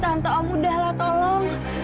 tante om udahlah tolong